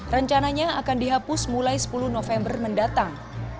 rencananya akan dihapus mulai sepuluh november mendatang